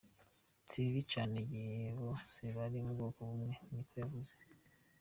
"Si bibi cane igihe ba se bari mu bwoko bumwe," niko yavuze.